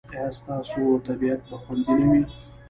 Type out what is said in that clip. ایا ستاسو طبیعت به خوندي نه وي؟